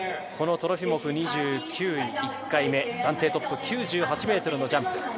トロフィモフ２９位、１回目、暫定トップ９８ｍのジャンプ。